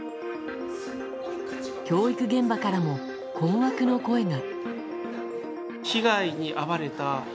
教育現場からも困惑の声が。